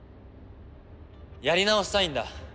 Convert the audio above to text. やり直したいんだ。